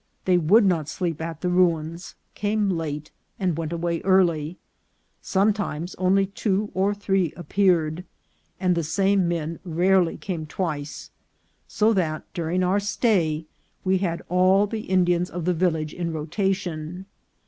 They would not sleep at the ruins, came late, and went away early ; sometimes only two or three ap peared, and the same men rarely came twice, so that during our stay we had all the Indians of the village in rotation.